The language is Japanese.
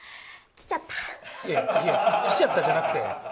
いや、来ちゃったじゃなくて。